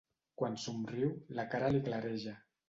Quan somriu, la cara li clareja.